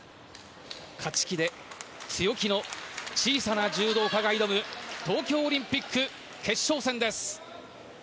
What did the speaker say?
勝ち気で強気の小さな柔道家が挑む東京オリンピック決勝戦です。